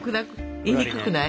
言いにくくない？